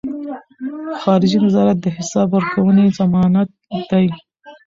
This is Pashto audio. خارجي نظارت د حساب ورکونې ضمانت دی.